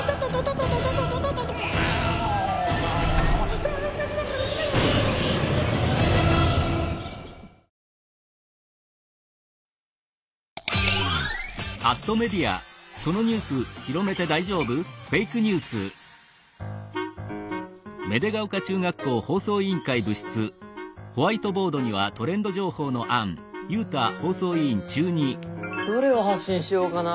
うんどれを発信しようかな？